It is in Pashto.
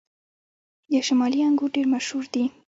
د شمالي انګور ډیر مشهور دي